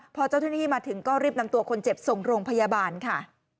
พอเจ้าหน้าที่มาถึงก็รีบนำตัวคนเจ็บส่งโรงพยาบาลค่ะ